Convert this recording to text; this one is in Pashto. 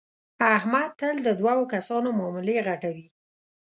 احمد تل د دو کسانو معاملې غټوي.